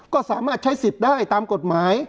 ก็สามารถใช้สิทธิ์ได้ตามกฎหมาย